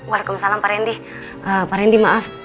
waalaikumsalam para rendi